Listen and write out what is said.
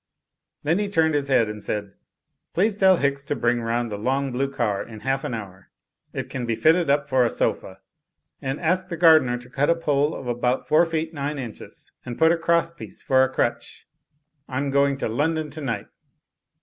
Then he turned his head and said, "Please tell Hicks to bring round the long blue car in half an hour; it can be fitted up for a sofa. And ask the gardener to cut a pole of about four feet nine inches, and put a cross piece for a crutch. Tm going up to London to night."